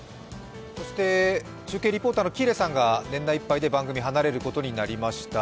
そして中継リポーターの喜入さんが年内いっぱいで番組を離れることになりました。